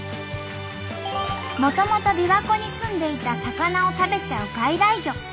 もともとびわ湖に住んでいた魚を食べちゃう外来魚。